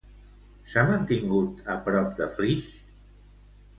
S'ha mantingut a prop de Flix?